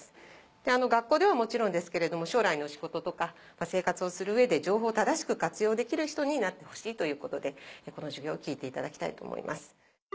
学校ではもちろんですけれども将来の仕事とか生活をする上で情報を正しく活用できる人になってほしいということでこの授業を聞いていただきたいと思います。